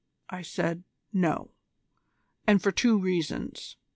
I said 'No,' and for two reasons.